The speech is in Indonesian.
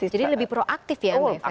jadi lebih proaktif ya mbak issa ya